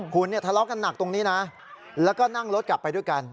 คุณเนี่ยทะเลาะกันหนักตรงนี้นะแล้วก็นั่งรถกลับไปด้วยกัน